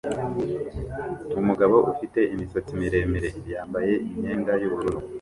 Umugabo ufite imisatsi miremire yambaye imyenda yubururu